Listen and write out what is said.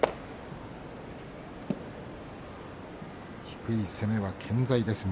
低い攻めは健在です